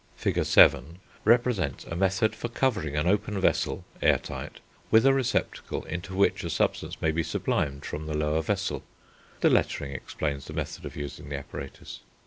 Fig. VII. p. 81, represents a method for covering an open vessel, air tight, with a receptacle into which a substance may be sublimed from the lower vessel. The lettering explains the method of using the apparatus.